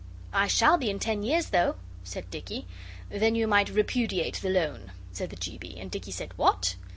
'I shall be in ten years, though,' said Dicky. 'Then you might repudiate the loan,' said the G. B., and Dicky said 'What?